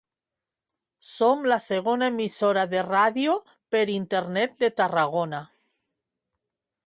Som la segona emissora de ràdio per Internet de Tarragona.